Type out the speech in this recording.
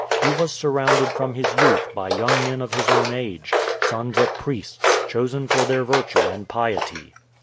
He was surrounded from his youth by young men of his own age sons of priests, chosen for their virtue and piety.